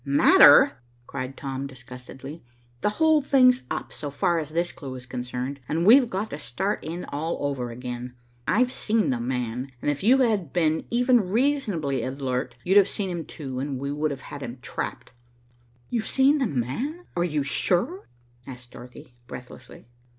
"Matter," cried Tom disgustedly, "the whole thing's up so far as this clue is concerned, and we've got to start in all over again. I've seen 'the man,' and if you had been even reasonably alert you'd have seen him too, and we would have him trapped." "You've seen 'the man.' Are you sure?" asked Dorothy breathlessly.